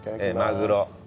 マグロ。